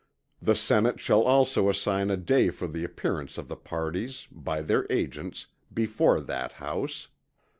The Senate shall also assign a day for the appearance of the parties, by their agents, before that House.